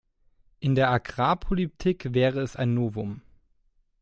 In der Agrarpolitik wäre es ein Novum.